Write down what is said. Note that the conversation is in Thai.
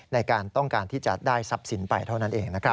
ในการต้องการที่จะได้ทรัพย์สินไปเท่านั้นเองนะครับ